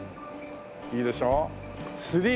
いいでしょ。